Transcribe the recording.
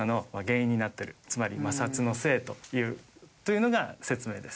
つまり摩擦のせいというのが説明です。